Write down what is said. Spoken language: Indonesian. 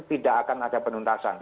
tidak akan ada penuntasan